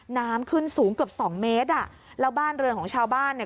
น้ำขึ้นสูงเกือบสองเมตรอ่ะแล้วบ้านเรือนของชาวบ้านเนี่ย